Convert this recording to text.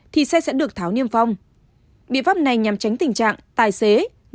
thì xe sẽ được tháo niêm phong biện pháp này nhằm tránh tình trạng tài xế